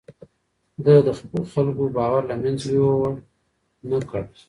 ده د خلکو باور له منځه يووړ نه کړ.